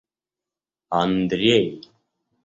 Андрей